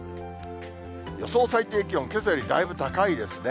予想最低気温、けさよりだいぶ高いですね。